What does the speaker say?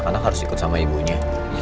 saya kesal juga godo sama ibunya